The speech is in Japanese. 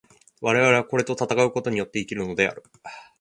我々はこれと戦うことによって生きるのである。